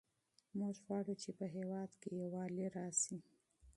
موږ غواړو چې په هېواد کې یووالی راسي.